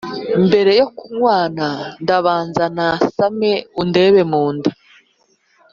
mbere yo kunywana, ndabanza nasame undebe mu nda